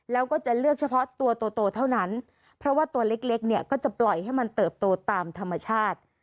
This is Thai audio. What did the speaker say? แล้วก็จะเลือกเฉพาะตัวโตเท่านั้นเพราะว่าตัวเล็กเนี่ยก็จะปล่อยให้มันเติบโตตามธรรมชาติ